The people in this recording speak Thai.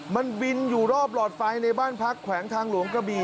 มันบินอยู่รอบหลอดไฟในบ้านพักแขวงทางหลวงกระบี่